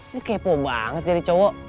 ini kepo banget jadi cowok